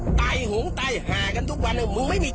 โปสเตอร์โหมโตรงของทางพักเพื่อไทยก่อนนะครับ